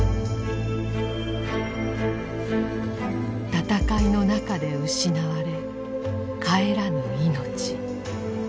戦いの中で失われ帰らぬ命。